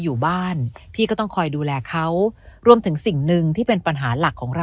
อยู่บ้านพี่ก็ต้องคอยดูแลเขารวมถึงสิ่งหนึ่งที่เป็นปัญหาหลักของเรา